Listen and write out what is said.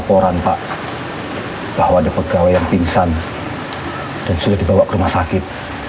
laporan pak bahwa ada pegawai yang pingsan dan sudah dibawa ke rumah sakit